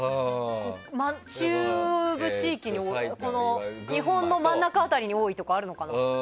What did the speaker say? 中部地域に日本の真ん中に多いとこあるのかな。